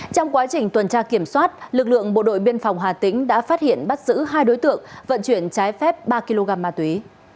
trong quá trình tuần tra kiểm soát lực lượng bộ đội biên phòng hà tĩnh đã phát hiện bắt giữ hai đối tượng vận chuyển trái phép ba kg ma túy